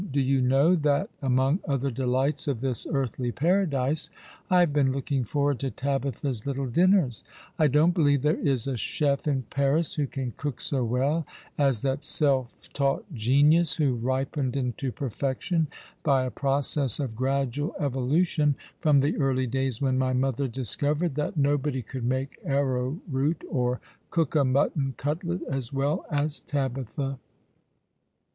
Do you know that among other delights of this earthly paradise 8o All alojio the River. c> 1 liav6 been looking forward to Tabitha's little dinners, t don't believe there is a cJief in Paris wlio'can cook so well as that self tanght genius, who ripened into perfection by a process of gradual evolution, from the early days when ray mother discovered that nobody could make arrowroot or cook a mutton cutlet as well as Tabitha.